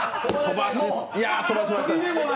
いや、飛ばしました。